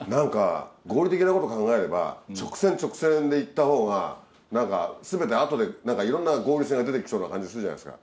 合理的なこと考えれば直線直線でいった方が全て後でいろんな合理性が出てきそうな感じがするじゃないですか。